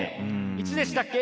いつでしたっけ？